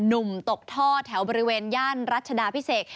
หนุ่มตกท่อแถวบริเวณย่านรัชดาพิเศษ